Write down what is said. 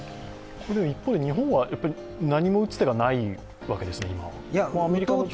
一方、日本は何も打つ手がないわけですね、今は。